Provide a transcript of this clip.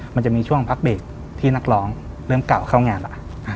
มันจะมีช่วงพักเบรกที่นักร้องเริ่มเก่าเข้างานแล้ว